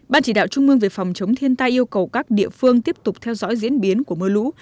ban chỉ đạo trung mương về phòng chống thiên tai yêu cầu các địa phương tiếp tục theo dõi diễn biến của mưa lũ